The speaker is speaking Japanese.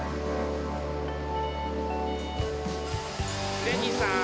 スレイニーさん。